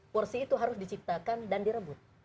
porsi itu harus diciptakan dan direbut